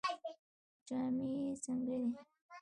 جامې یې څنګه دي؟